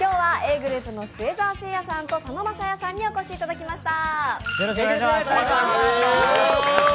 ｇｒｏｕｐの末澤誠也さんと佐野晶哉さんにお越しいただきました。